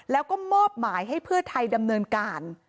แล้วก็มอบหมายให้เพื่อไทยดำเนินการ